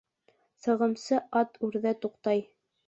Сығымсы ат үрҙә туҡтай.